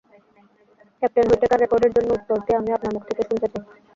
Captain Whitaker, রেকর্ডের জন্য, উত্তরটি আমি আপনার মুখ থেকে শুনতে চাই।